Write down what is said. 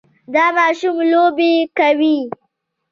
دا ماشوم لوبې کوي.